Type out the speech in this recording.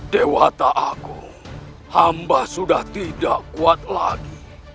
dewata aku hamba sudah tidak kuat lagi